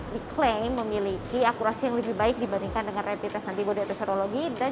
diklaim memiliki akurasi yang lebih baik dibandingkan dengan rapid test antibody atau serologi dan